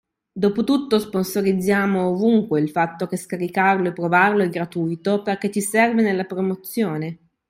Dopotutto sponsorizziamo ovunque il fatto che scaricarlo e provarlo è gratuito perché ci serve nella promozione.